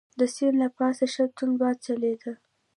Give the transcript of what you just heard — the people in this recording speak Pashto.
د سیند له پاسه ښه توند باد چلیده.